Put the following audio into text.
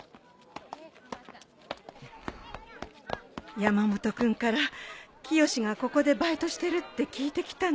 山本君からキヨシがここでバイトしてるって聞いてきたのよ。